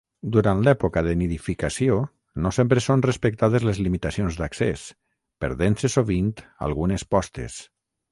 Durant l’època de nidificació no sempre són respectades les limitacions d’accés, perdent-se sovint algunes postes.